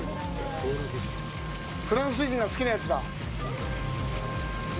フランス人が好きなやつだ。